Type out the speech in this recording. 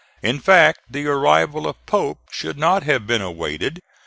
In fact the arrival of Pope should not have been awaited.